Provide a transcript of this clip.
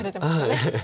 はい。